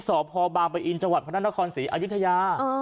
สพบอินจคณะนครศรีอายุทยา